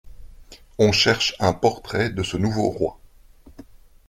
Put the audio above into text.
On cherche un portrait de ce nouveau roi.